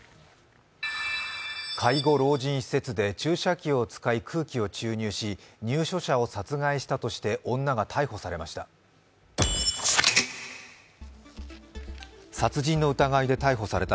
介護老人施設で注射器を使い空気を注入し入所者を殺害したとして女が逮捕されました。